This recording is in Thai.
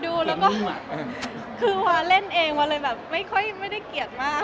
ดูแล้วก็คือวาเล่นเองวาเลยแบบไม่ค่อยไม่ได้เกลียดมาก